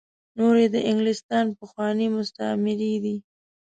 نور یې د انګلستان پخواني مستعميري دي.